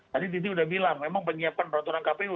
tadi titi udah bilang memang penyiapan peraturan kpu